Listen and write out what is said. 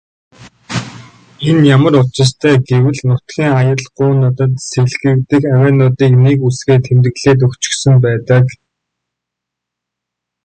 Энэ ямар учиртай вэ гэвэл нутгийн аялгуунуудад сэлгэгдэх авиануудыг нэг үсгээр тэмдэглээд өгчихсөн байдаг.